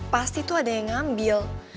pasti tuh ada yang ngambil